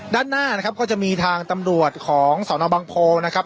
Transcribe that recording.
ด้านหน้านะครับก็จะมีทางตำรวจของสนบังโพนะครับ